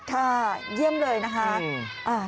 ค่ะเยี่ยมเลยนะครับ